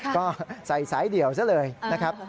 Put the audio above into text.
ก็ใส่สายเดี่ยวซะเลยนะครับ